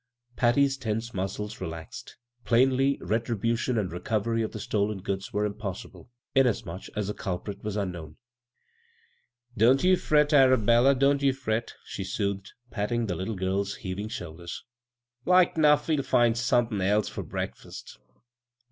Patty's tense muscles relaxed. Plainly ret ribution and recovery of the stolen goods were impossible, inasmuch as the culprit was unknown. " Don't ye fret, Arabella, don't ye fret," she soothed, patting the litde gid's heaving Moulders. "Like 'nou^ we'll find some thin' else hir tweakfast.